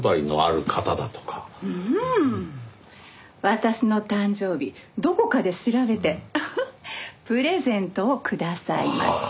私の誕生日どこかで調べてフフプレゼントをくださいました。